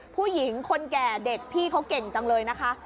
ผู้หญิงคนแก่เด็กพี่เขาเก่งจังเลยนะคะ